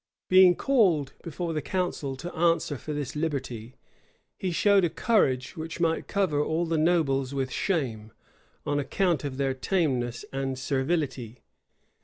Being called before the council to answer for this liberty, he showed a courage which might cover all the nobles with shame, on account of their tameness and servility.